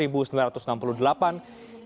dan juga telah menjadi anggota bank dunia